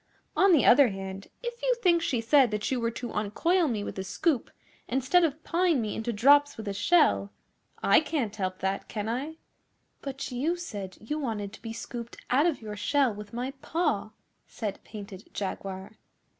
On the other hand, if you think she said that you were to uncoil me with a scoop, instead of pawing me into drops with a shell, I can't help that, can I?' 'But you said you wanted to be scooped out of your shell with my paw,' said Painted Jaguar.